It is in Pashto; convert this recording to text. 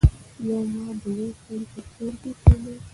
یو مار د یو سړي په کور کې اوسیده.